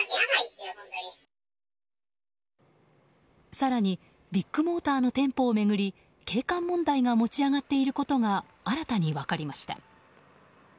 更に、ビッグモーターの店舗を巡り景観問題が持ち上がっていることが新たに分かりました。